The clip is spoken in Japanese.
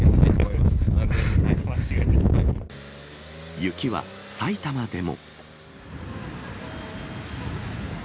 雪は埼玉でも。